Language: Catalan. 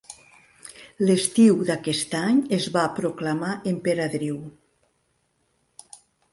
L'estiu d'aquest any, es va proclamar emperadriu.